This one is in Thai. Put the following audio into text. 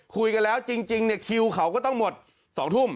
คุยกันแล้วจริงเนี่ยคิวเขาก็ต้องหมด๒ทุ่ม